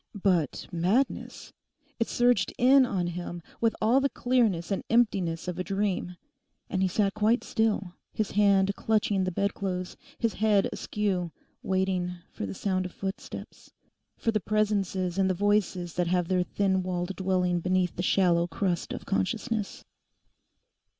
But madness!—it surged in on him with all the clearness and emptiness of a dream. And he sat quite still, his hand clutching the bedclothes, his head askew, waiting for the sound of footsteps, for the presences and the voices that have their thin walled dwelling beneath the shallow crust of consciousness.